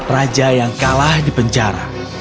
raja yang kalah dipenjara